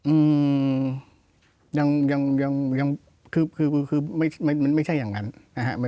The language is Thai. อืมยังคือไม่ใช่อย่างนั้นนะครับ